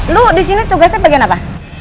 lu di sini tugasnya bagian apa